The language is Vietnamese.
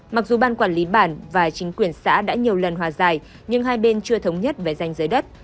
mặc dù ban quản lý bản và chính quyền xã đã nhiều lần hòa giải nhưng hai bên chưa thống nhất về danh giới đất